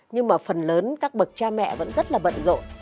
nhưng mà phần lớn các bậc cha mẹ vẫn rất là bận rộn